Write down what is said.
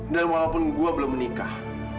dan walaupun gue belum menikah